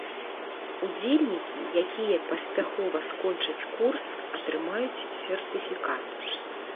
Удзельнікі, якія паспяхова скончаць курс, атрымаюць сертыфікат.